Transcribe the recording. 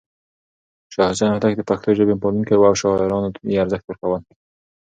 شاه حسين هوتک د پښتو ژبې پالونکی و او شاعرانو ته يې ارزښت ورکولو.